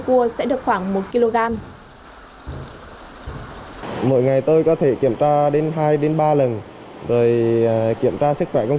cua sẽ được khoảng một kg mỗi ngày tôi có thể kiểm tra đến hai đến ba lần rồi kiểm tra sức khỏe công